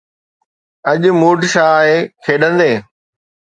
اڄ موڊ ڇا آهي، کيڏندين؟